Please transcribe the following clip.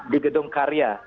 di gedung karya